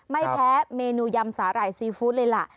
ไม่แพ้เมนูยำสาหร่ายซีฟู้ดเลยล่ะ